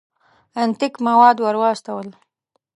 انتیک مواد ور واستول.